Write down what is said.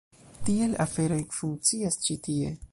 Tiel aferoj funkcias ĉi tie.